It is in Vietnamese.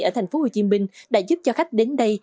ở thành phố hồ chí minh đã giúp cho khách đến đây